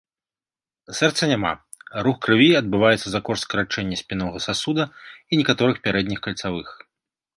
Сэрца няма, рух крыві адбываецца за кошт скарачэння спіннога сасуда і некаторых пярэдніх кальцавых.